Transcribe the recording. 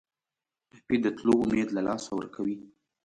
ټپي د تلو امید له لاسه ورکوي.